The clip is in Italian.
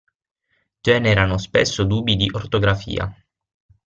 Generano spesso dubbi di ortografia.